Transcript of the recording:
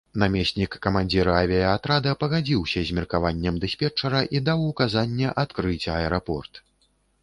Намеснік камандзіра авіяатрада пагадзіўся з меркаваннем дыспетчара і даў указанне адкрыць аэрапорт.